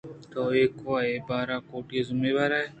تو ایوک ءَ اے بار ءِ کوٹی ءِ ذمہ وارئے